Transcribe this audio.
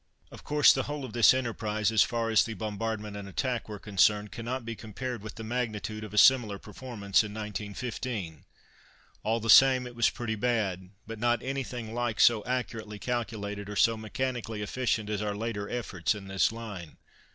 Of course the whole of this enterprise, as far as the bombardment and attack were concerned, cannot be compared with the magnitude of a similar performance in 1915. All the same, it was pretty bad, but not anything like so accurately calculated, or so mechanically efficient as our later efforts in this line.